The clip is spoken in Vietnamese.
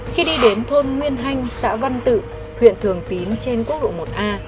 khi đi đến thôn nguyên hanh xã văn tự huyện thường tín trên quốc lộ một a